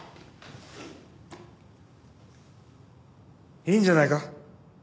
いいんじゃないか。